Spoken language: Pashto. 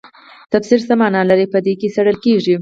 تفسیر څه مانا لري په دې کې څیړل کیږي.